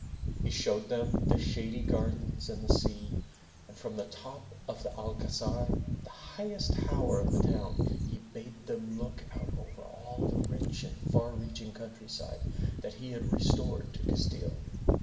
He showed them the shady gardens and the sea, and from the top of the Al ca zar', the highest tower of the town, he bade them look out over all the rich and far reaching countryside that he had restored to Castile.